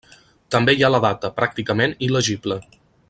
També hi ha la data, pràcticament il·legible.